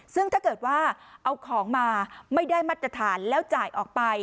ซึ่งถ้าเกิดว่าเอาของมาไม่ได้มาตรฐานแล้วจ่ายออกไป